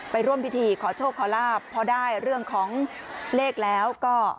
ร่วมพิธีขอโชคขอลาบพอได้เรื่องของเลขแล้วก็